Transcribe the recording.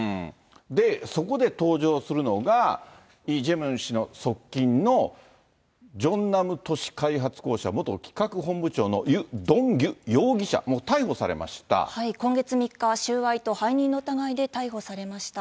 で、そこで登場するのが、イ・ジェミョン氏の側近のソンナム都市開発公社、元企画本部長のユ・ドンギュ容疑者、今月３日、収賄と背任の疑いで逮捕されました。